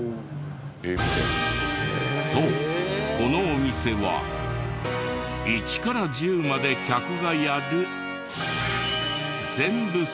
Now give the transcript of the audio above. そうこのお店は一から十まで客がやる。